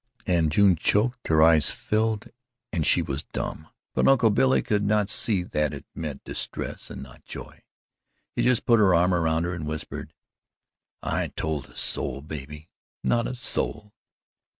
And June choked, her eyes filled, and she was dumb, but Uncle Billy could not see that it meant distress and not joy. He just put his arm around her and whispered: "I ain't told a soul, baby not a soul."